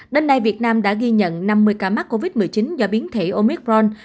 đến nay việt nam đã ghi nhận năm mươi ca mắc covid một mươi chín do biến thể omicron